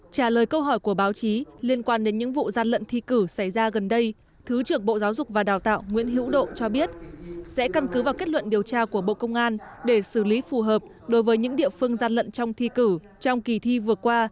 trả lời câu hỏi của báo chí liên quan đến những vụ gian lận thi cử xảy ra gần đây thứ trưởng bộ giáo dục và đào tạo nguyễn hữu độ cho biết sẽ căn cứ vào kết luận điều tra của bộ công an để xử lý phù hợp đối với những địa phương gian lận trong thi cử trong kỳ thi vừa qua